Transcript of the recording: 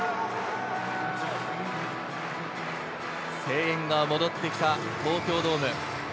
声援が戻ってきた東京ドーム。